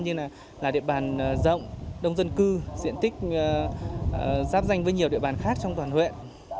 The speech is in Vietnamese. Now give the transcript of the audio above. như là địa bàn rộng đông dân cư diện tích giáp danh với nhiều địa bàn khác trong toàn huyện